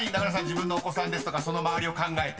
自分のお子さんとかその周りを考えて？］